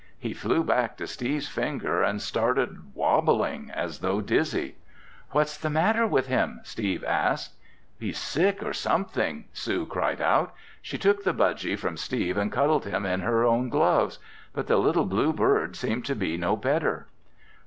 He flew back to Steve's finger and started wobbling as though dizzy. "What's the matter with him?" Steve asked. "He's sick or something!" Sue cried out. She took the budgy from Steve and cuddled him in her own gloves. But the little blue bird seemed to be no better. Dr.